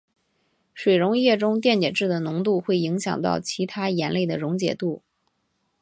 水溶液中电解质的浓度会影响到其他盐类的溶解度。